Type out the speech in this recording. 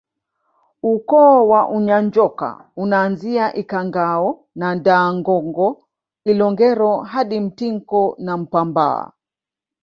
Ukoo wa Unyanjoka unaanzia Ikhangao na Ndaangongo Ilongero hadi Mtinko na Mpambaa